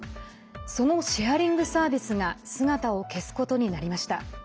そのシェアリングサービスが姿を消すことになりました。